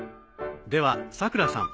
ではさくらさん。